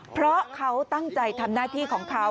เพราะเขาตั้งใจทำหน้าที่ของเขา